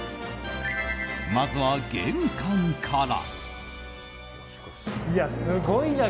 まずは玄関から。